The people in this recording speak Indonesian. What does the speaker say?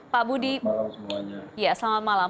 pak budi selamat malam